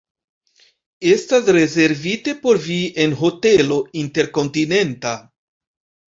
Estas rezervite por vi en Hotelo Interkontinenta!